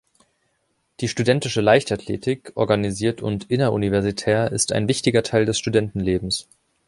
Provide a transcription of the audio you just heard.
Die studentische Leichtatlethik, organisiert und inneruniversitär, ist ein wichtiger Teil des Studentenlebens.